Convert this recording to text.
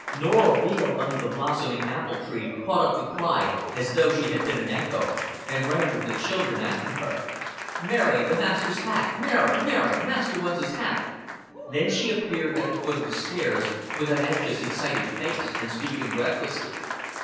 Norah Veale under the blossoming apple tree caught up the cry as though she had been an echo, and ran with the children after her. "Mary, the master's hat. Mary, Mary! Master wants his hat." Then she appeared at the foot of the stairs, with an anxious excited face and speaking breathlessly.